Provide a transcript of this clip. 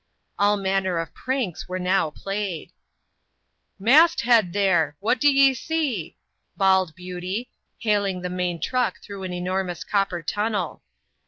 All manner of pranks were now played. Mast head, there! what d'ye see?" bawled Beauty, hailing the main truck through an enormous copper tunnel.